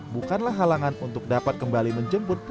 bukanlah halangan untuk dapat kembali menjemput